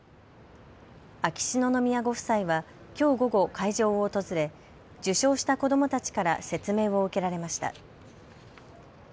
秋篠宮ご夫妻はきょう午後、会場を訪れ受賞した子どもたちから説明を受けられました。